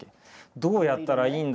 どうやったらいいんだ？